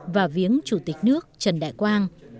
và viếng chủ tịch nước trần đại quang